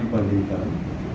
dengan yang lain